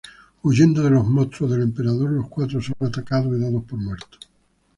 Huyendo de los monstruos del emperador, los cuatro son atacados y dados por muertos.